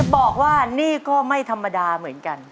บอกว่านี่ก็ไม่ธรรมดาเหมือนกัน